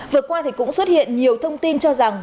vừa qua thì cũng xuất hiện nhiều thông tin cho rằng